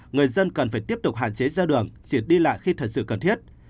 người dân cần phải tiếp tục hạn chế ra đường diệt đi lại khi thật sự cần thiết